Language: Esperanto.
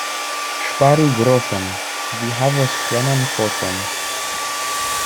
Ŝparu groŝon — vi havos plenan poŝon.